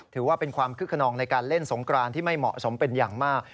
ถือว่าเป็นความคึกขนองในการเล่นสงกรานที่ไม่เหมาะสมเป็นอย่างมาก